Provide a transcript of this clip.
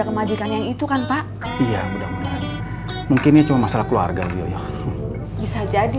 ke majikannya itu kan pak iya mudah mudahan mungkinnya cuma masalah keluarga bisa jadi